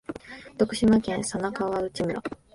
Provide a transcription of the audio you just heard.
徳島県佐那河内村